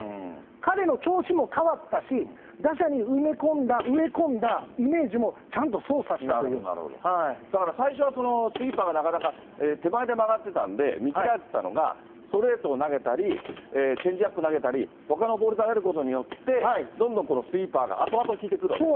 彼の調子も変わったし、打者に植えこんだイメージもちゃんと操作だから、最初はスイーパーがなかなか、手前で曲がってたんで、見切られていたのが、ストレートを投げたり、チェンジアップ投げたり、ほかのボール投げることによって、どんどんスイーパーが後々効いてくるわけですね。